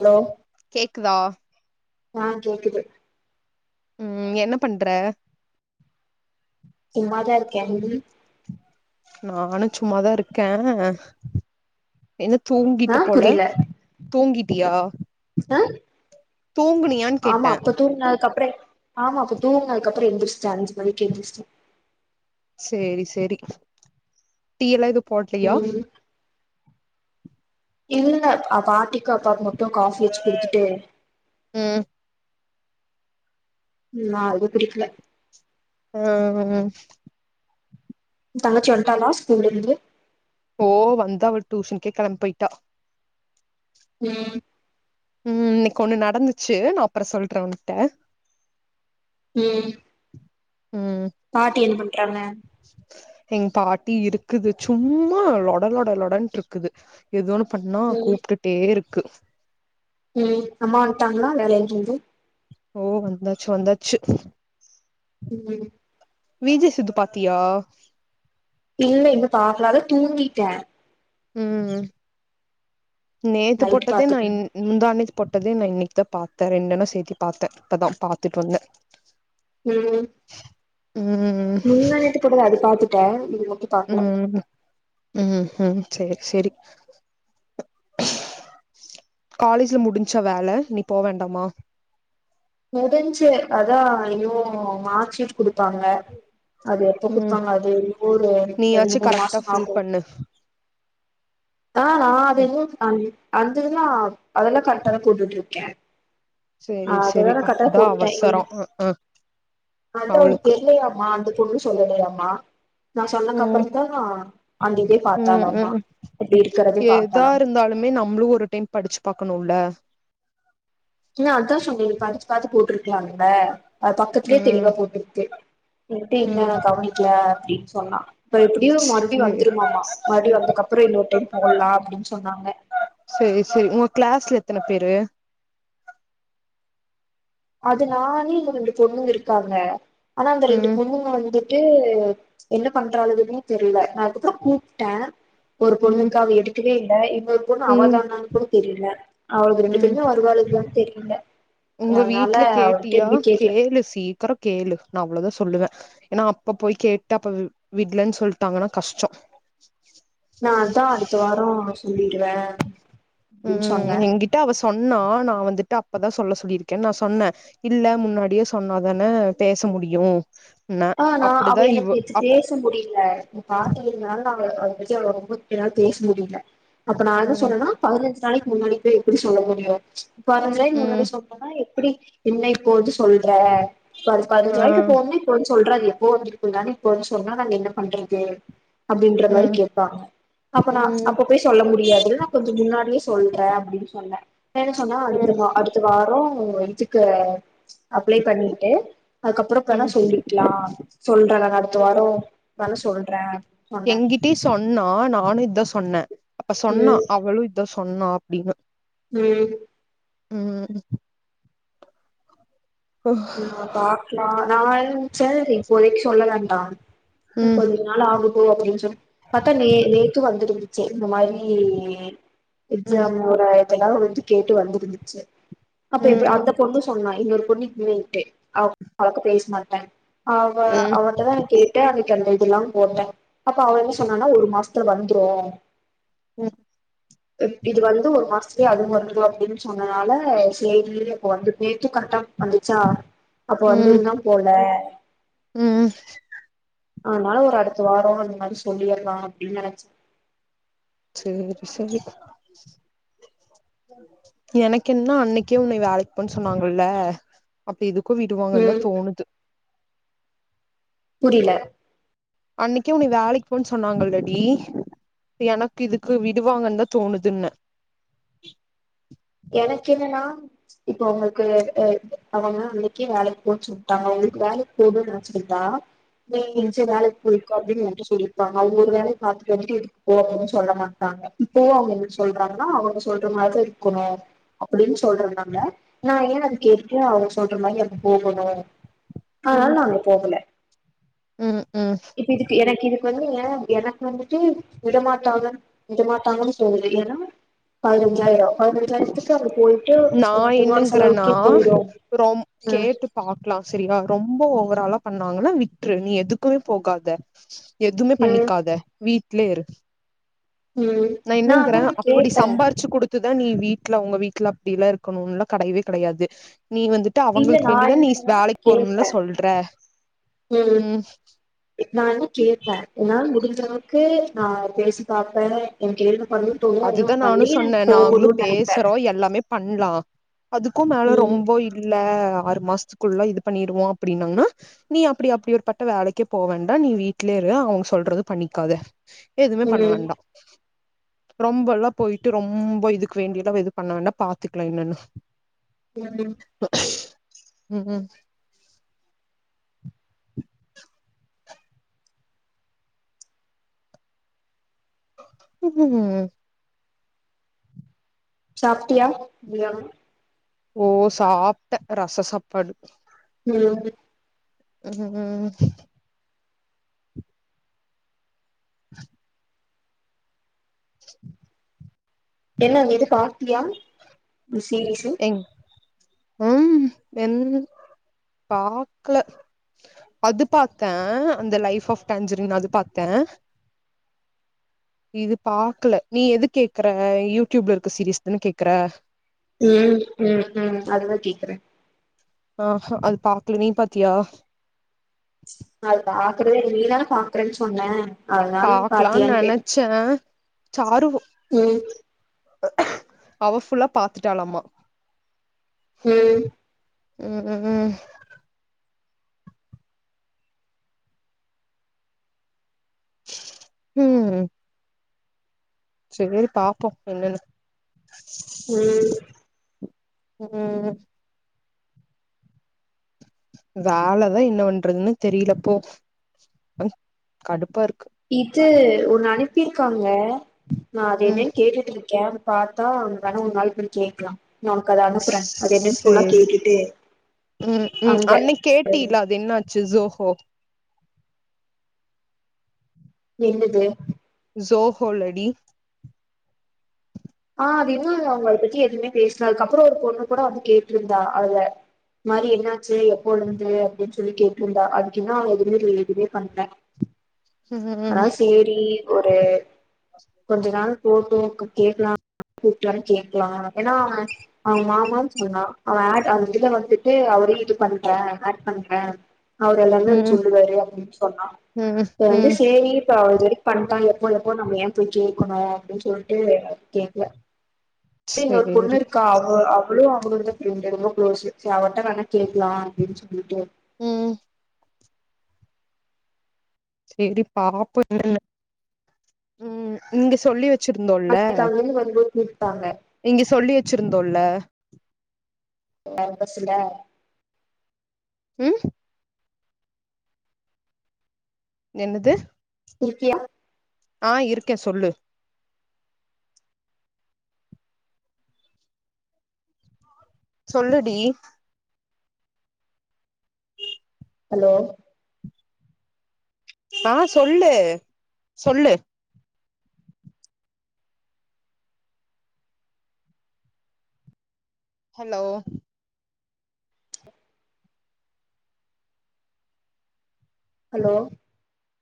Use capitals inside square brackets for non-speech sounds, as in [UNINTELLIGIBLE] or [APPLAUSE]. hello கேக்குதா ஆன் கேக்குது ம் என்ன பண்ற சும்மா தா இருக்கே ம் நானு சும்மாதா இருக்க என்ன ஆ தூங்கிட்ட போல புரியல தூங்கிட்டியா ஆ தூங்குனியான்னு ஆமா கேட்டே அப்ப தூங்குன அதுக் அப்புற ஆமா அப்ப தூங்குனதுக்கப்பற எந்திஸ்ட்டே அஞ்சு மணிக்கு எந்திஸ்ட்ட சேரி சேரி டீ எல்லா எது போடலயா ம் இல்ல பாட்டிக்கு அப்பா மட்டு காஃபி வச்சு குடுத்துட்டு ம் நா எது குடிக்கல ம் ம் தங்கச்சி வன்ட்டாளா ஸ்கூல்ல இருந்து ஓ வந்தா அவ டுஷனுகே கெளம்பி போயிட்டா ம் ம் இன்னைக்கு ஒன்னு நடந்துச்சு நா அப்றோ சொல்ற உன்ட்ட ம் ம் பாட்டி என்ன பண்றாங்க எங்க பாட்டி இருக்குது சும்மா லொட லொட லொடன்டுருக்குது எதோ ஒன்னு பண்ணா ம் கூப்ட்டுட்டே இருக்கு ம் அம்மா வந்துட்டாங்களா வேலையில இருந்து ஓ வந்தாச்சு வந்தாச்சு ம் வீ ஜே சித்து பாத்தியா இல்ல இன்னு பாக்கல அதா தூங்கிட்ட ம் நேத்து நைட்டு போட்டதே நா பாத்துக்குறே இன் முந்தா நேத்து போட்டதே நா இன்னைக்குதா பாத்த ரெண்டன சேத்து பாத்த இப்பதா பாத்துட்டு வந்த [INAUDIBLE] ம் ம் முந்தா நேத்து போட்டது அது பாத்துட்ட இது மட்டு பாக்கல ம் ம்ஹு சரி சரி காலேஜ்ல முடிஞ்சா வேல நீ போ வேண்டாமா முடிஞ்சு அதா இன்னு மார்க்சீட் குடுப்பாங்க அது எப்போ ம் குடுப்பாங்க அது ஒரு ரெண்டு நீயாச்சு மூணு கரெக்டா மாசம் ஆகு [UNINTELLIGIBLE] ஆ நா அது இன்னு அதுன்னா அதெல்லா கரெக்டா தா குடுத்துட்டு இருக்கே அ சேரி சேரி அதோடதா நா கரெக்டா தா அதா போட்டே அவசரோ அ அ அது அவங்க அவளுக்கு தெரியலையாமா அந்து ஒன்னு சொல்லலையாமா நா சொன்னக்கு ம் அப்ற தா அன்னைக்கே ம் ம் எதா பாத்தாலாமா இருந்தாலுமே நம்மளு ஒரு டைம் படிச்சு பாக்கணுல நா அதா சொன்னே நீ படிச்சு பாத்து போட்டுருக்கலாம்ல அது பக்கத்துலயே ம் தெளிவா போட்ருக்கு நெட்டு இல்ல ம் நா கவனிக்ல அப்டினு சொன்னா இப்ப எப்டியு மறுபடி சேரி வந்துருமாமா மறுபடி வந்தக்கப்பற இன்னொரு டைம் போடலா அப்டினு சொன்னாங்க செரி செரி உங்க கிளாஸ்ல எத்தன பேரு அது நானு இன்னு ரெண்டு பொண்ணுங்க இருக்காங்க ஆனா அந்த ரெண்டு ம் பொண்ணுங்க வந்துட் டு என்ன பண்றாலுகனே தெரில நா இப்போதா கூப்ட ஒரு ம் பொண்ணுக்கு அவ எடுக்கவே இல்ல இன்னொரு பொண்ணு ம் அவதானான்னு கூட தெரில அவுளுக ரெண்டு ம் பேருமே வருவாளுகலானு தெரில உங்க அதனால வீட்ல அவள்ட்ட கேட்டியா எதுமே கேக்கல கேளு சீக்கிரோ கேளு நா அவ்ளதா சொல்லுவ ஏனா அப்ப போய் கேட்டு அப்ப விட்லன்னு சொல்ட்டாங்கன்னா கஷ்டோ நா அதா அடுத்த வாரோ சொல்லிருவ ம் என்கி ட்ட அவ சொன்னா நா வந்துட்டு அப்பதா சொல்ல சொல்லிருக்கேன் நான் சொன்ன இல்ல முன்னாடியே சொன்னாதான பேச முடியு ன்ன ஆ நா அப்டிதா அவ எனக்கு இவ நேத்து அப் பே ச முடில நீ பாத்ததுனால நா அவள அதபத்தி அவள ரொம்ப என்னால பேச முடில அப்ப நா என்ன ம் சொன்னனா பதினஞ்சு நாளைக்கு முன்னாடி போய் எப்டி சொல்ல முடியு பதினஞ்சு நாளைக்கு முன்னாடி ம் சொன்னனா எப் எப்டி என்ன இப்போ வந்து சொல்ற ப ஆ பதினஞ்சு நாளைக்கு போன்னே போய் சொல்ற அது எப்போ வந்திருக்குந்தானேர இப்போ வந்து சொன்னா நாங்க என்ன பண்றது அப்டின்ற மாரி ம் கேப்பாங்க அப்ப நான் ம் அப்ப போய் சொல்ல முடியாது நான் கொஞ்சோ முன்னாடியே சொல்றேன் அப்டின்னு சொன்னே இல்லனு சொன்னா ம் அடுத்துமா அடு த்த வாரோ இதுக்கு அப்ளை பண்ணிட்டு அதுக்கப்பறோ வேணா ம் சொல்லி க்லா சொல்ற நான் அடுத்த ம் வாரோ வேணா சொல்ற ட்டி சொன்னா நானு இதா சொன்ன அப்ப சொன்னா ம் அவளு இதா சொன்னா அப்டின்னு ம் ம் ஹ நா பாக்லா நா என்ன நெனச்ச இப்போதைக்கு சொல்ல வேண்டா இன்று ம் கொஞ்சோ நாளாகட்டு அப்டின் சொன் பாத்தா நே நேத்து வந்துருந்துச்சு இந்த மாரி இ ம் எக்ஜாம் ஒரு ஆயிரத்தி ஐநூறு ரூவா வந்து கேட்டு வந்திருந்துச்சு அப்ப எப்டி ம் அந்த பொண்ணு சொன்னா இன்னொரு பொண்ணு இல்லைன்ட்டு அவ்ளக்கா பேச மாட்ட அவ ம் அவன்ட்டதா நா கேட்டேன் அன்னைக்கு அந்த இதெல்லாம் போட்டன் அப்ப அவன் என்ன சொன்னானா ஒரு மாச த்துல வந்துரு ம் இ இது வந்து ஒரு மாசத்துலயே அதுவு வந்துரு அப்டின்னு சொன்னனால சேரி அப்ப வந்து பேத்துக்கட்டம் வந்துச்சா அப்ப ம் இன்னும் போல ம் ஆனால ஒரு அடுத்த வாரோ அந்த மாரி சொல்லீர்லா அப்டின்னு நெனச் சேரி சேரி எனக்கென்னா அன்னைக்கே உன்னை வேலைக் போனு சொன்னாங்கல்ல அப்ப எதுக்கோ விடுவாங்கன்னுதா ம் தோணுது புரில அன்னைக்கே உன்ன வேலைக்கு போனு சொன்னாங்கல்லடி அப்ப எனக்கு இதுக்கு விடுவாங்கனுதா தோணுதுன எனக்கு என்னனா இப்ப உங்களுக்கு உ அவுங்க அன்னைக்கே வேலைக்கு போ சொல்ட்டாங்க உங்களுக்கு வேலைக் போதுனு வெச்சிருந்தா நீ ம் எங்காச் வேலைக்கு போ காபின்ட்டு என்ட்ட சொல்லிருப்பாங்க அவங்க ஒரு வேல பாத்துக்க வேண்டி எதுக்கு போறன்னு சொல்ல மாட்டாங்க இப்புவு அவங்க என்ன சொல்றாங்கனா அவுங்க சொல்ற மாரி இருக்கணு அப்டின்னு சொல்றனால நா ஏன் அத கேட்டுட்டு அவங்க சொல்ற மாரி அப்ப போகணு அதனால நாங்க போகல ம் ம் இப்ப இதுக்கு எனக்கு இதுக்கு வந்துங்க எனக்கு வந்துட்டு விடமாட்டங்க விடமாட்டாங்கன் தோணுது ஏனா பதினஞ்சாயிரோ ம் பதினஞ்சாயிரத்துக்கு அவர் போய்ட்டு நா பொதுவான என்னங்கறேன்னா செலவுக்கே போயிரு ம் க்லா செரியா ரொம்ப ஓவராலா பண்ணாங்கன்னா விட்ரு நீ எதுக்குமே போகாத எதுமே ம் பண்ணிக்காத வீட்லேரு ம் நா என்னங்றே அதா நா அப்டி கேப்பே சம்பார்ச்சு குடு த்து தா நீ வீட்ல ஒங்க வீட்ல அப்டில்லா இருக்கணுன்லா கடயவே கடயாது நீ வந்து ட்டு இல்ல அவுங்களுக்கு நா வேண்டிதா நீ என்னன்னா வேலைக்கு போறும்ல கேப்பே சொல்ற ம் நா என்ன கேப்பே ஏனா முடிஞ்சளவுக்கு நா பேசி பாப்பே எனக்கு என்னென்ன பண்ணனுன் தோணுதோ அதல்லா அதுதா நானு பண்ணி நா சொன்னே நாங்களு போகணுன் நெனைப்பே பேசுறோ எல்லாமே பண்லா அதுக்கு மேல ம் ரொம்போ இரு இல்ல ஆறு மாசத்துக்குள்ள இது பண்ணிருவோ அப்டின்னாங்கன்னா நீ அப்டி அப்டி ஒரு பட்ட வேலைக்கே போவேண்டா நீ வீட்லயே இரு அவுங்க சொல்றத பண்ணிக்காத எதுமே பண்ண ம் வேண்டா ரொம்போலா போய்ட்டு ரொம்போ இதுக்கு வேண்டில்லா எது பண்ண வேண்டா பாத்துக்லா என்னனு [INAUDIBLE] ம் ம் சாப்ட்டியா மதியானோ ஓ சாப்ட்டே ரச சாப்பாடு ம் ம் [INAUDIBLE] என்ன அந்த இது பாத்தியா சீரிஸ்ஸு உம் என் பாக்ல அது பாத்தே அந்த லைஃப் ஆஃப் டேஞ்சரின் அது பாத்தே இது பாக்ல நீ எது கேக்ற யூடியூப்ல இருக்க சீரிஸ் தான கேக்ற ம் ம் ம் அதுதா கேக்குறே ஆ ஹா அது பாக்ல நீ பாத்தியா நா அது பாக்குறதே இல்ல நீ தானே பாக்றேன் சொன்ன அதனால பாக்லான் பாத்தியான்னு கேட்டே நெனச்சே சாருவு ம் அவ ஃபுல்லா பாத்துட்டாலாமா ம் ம் ம் சேரி பாப்போ என்னன்னு ம் ம் வேலதா என்ன பண்றதுன்னே தெரில்ல போ கடுப்பாருக்கு இது ஒண்ணு அனுப்பிருக்காங்க நா அது ம் என்னன் கேட்டுட்ருக்கே பாத்தா நம்ப வேணா ஒர் நாள்க்கு வந்து கேக்லா நா ஒன்க்கு அத அனுப்புறே அது என்னன் ஃபுல்லா சேரி கேட்டுட்டு ம் ம் அங்க அன்னைக் கேட்டீல அது என்னாச்சு ஜோ ஹோ என்னது ஜோ ஹோ லடி ஆ அது இன்னு அது அவுங்க அத பத்தி எதுமே பேசல அதுக்கப்றோ ஒரு பொண்ணு கூட வந்து கேட்ருந்தா அதுல இது மாரி என்னாச்சு எப்போழுந்து அப்டின் சொல்லி கேட்ருந்தா அதுக்கு இன்னோ அவ எதுமே இதுவே பண்ல அதா ம் சேரி ஒரு கொஞ்ச நாள் போட்டு கேக்கலா கூப்டு வர கேக்கலா எனா அவ அவ மாமான் சொன்னா அவ ஆட் அந் இதுல வந்துட்டு அவரயு இது பண்ற ஆட் பண்ற அவர் எல்லாமே வந்து ம் சொல்லுவாரு அப்டின் சொன்னா ம் வந்து ம் சேரி இப்ப அவர் இருக் பண்டா எப்போ எப்போ நம்ம எ போய் கேக்கணு அப்டின் சொல்ட்டு கேக்கல இன்னொரு சேரி பொண்ணுருக்கா அவளு அவளுங்க ஃப்ரெண்டு ரொம்ப க்ளோஸு சே அவட்ட வேணா கேக்கலா அப்டின் சொல்லிட்டு ம் செரி பாபோ என்னன்னு ம் நீங்க சொல்லி வெச் எனக் அங்கருந்து கொண்டுவந் குடுத்தாங்க இங்க சொல்லி வெச்சுருந்தோல ஒ பசங்க ம் என்னது இருக்கியா ஆ இருக்கே சொல்லு சொல்லுடி ஹலோ ஆ சொல்லு சொல்லு ஹலோ ஹலோ